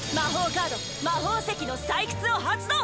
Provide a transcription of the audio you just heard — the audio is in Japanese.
カード魔法石の採掘を発動！